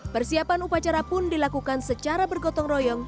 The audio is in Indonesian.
persiapan upacara pun dilakukan secara bergotong royong